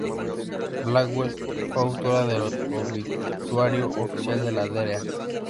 Blackwell fue autora del obituario oficial de la Dra.